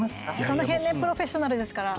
その辺のプロフェッショナルですから。